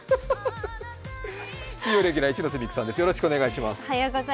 水曜レギュラー、一ノ瀬美空さんです。